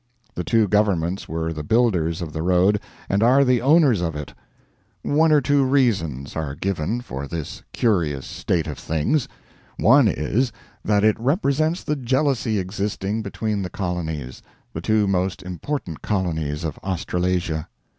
The two governments were the builders of the road and are the owners of it. One or two reasons are given for this curious state of things. One is, that it represents the jealousy existing between the colonies the two most important colonies of Australasia.